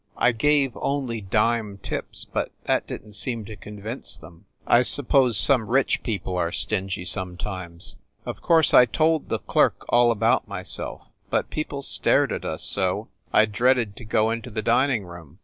I gave only dime tips, but that didn t seem to convince them. I suppose some rich people are stingy sometimes. Of course I told the clerk all about myself, but people stared at us so I dreaded to go into the dining room.